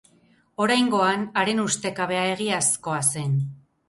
Oraingoan haren ustekabea egiazkoa zen.